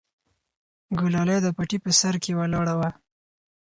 ګلالۍ د پټي په سر کې ولاړه وه.